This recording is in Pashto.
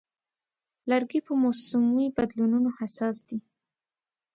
لرګی په موسمي بدلونونو حساس دی.